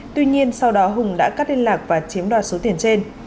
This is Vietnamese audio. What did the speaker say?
tuy nhiên sau đó hùng đã cắt liên lạc và chiếm đoạt số tiền trên